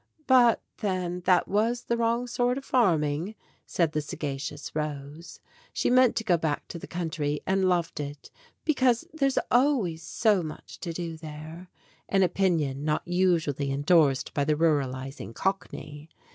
"But then that was the wrong sort of farming," said the sagacious Rose. She meant to go back to the country, and loved it "because there's always so much to do there," an opinion not usually endorsed by the ruralizing Cockney.